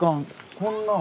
こんなん。